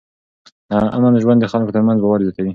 امن ژوند د خلکو ترمنځ باور زیاتوي.